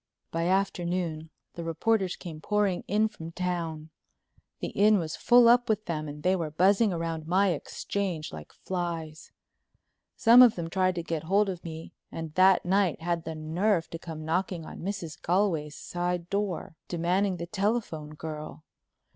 By afternoon the reporters came pouring in from town. The Inn was full up with them and they were buzzing round my exchange like flies. Some of them tried to get hold of me and that night had the nerve to come knocking at Mrs. Galway's side door, demanding the telephone girl.